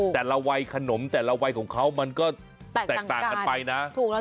แต่ละวัยขนมแต่ละวัยของเขามันก็แตกต่างกันไปนะถูกแล้ว